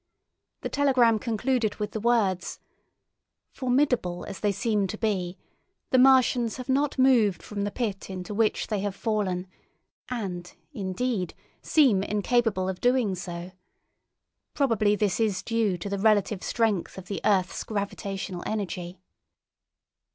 The telegram concluded with the words: "Formidable as they seem to be, the Martians have not moved from the pit into which they have fallen, and, indeed, seem incapable of doing so. Probably this is due to the relative strength of the earth's gravitational energy."